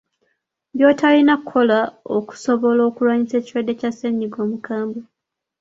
By’otalina kukola okusobola okulwanyisa ekirwadde kya ssennyiga omukambwe.